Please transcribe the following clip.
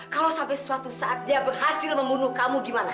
kalau sampai suatu saat dia berhasil membunuh kamu gimana